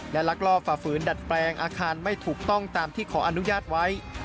และลักลอบฝ่าฝืนดัดแปลงอาคารไม่ถูกต้องตามที่ขออนุญาตไว้